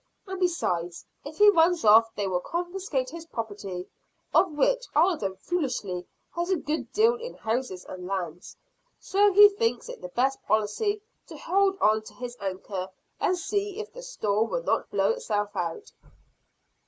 And besides, if he runs off, they will confiscate his property; of which Alden foolishly has a good deal in houses and lands. So he thinks it the best policy to hold on to his anchor, and see if the storm will not blow itself out."